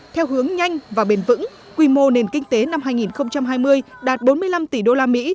theo hướng nhanh và bền vững quy mô nền kinh tế năm hai nghìn hai mươi đạt bốn mươi năm tỷ usd